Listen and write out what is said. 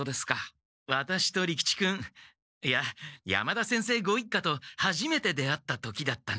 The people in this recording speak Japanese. ワタシと利吉君いや山田先生ご一家とはじめて出会った時だったな。